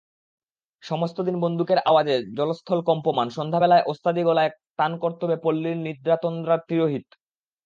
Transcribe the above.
সমস্ত দিন বন্দুকের আওয়াজে জলস্থল কম্পমান, সন্ধ্যাবেলায় ওস্তাদি গলায় তানকর্তবে পল্লীর নিদ্রাতন্দ্রা তিরোহিত।